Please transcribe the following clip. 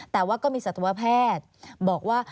แต่ว่าก็มีสัตวแพทย์บอกว่า